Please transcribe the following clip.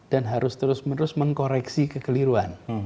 dan harus terus menerus mengkoreksi kekeliruan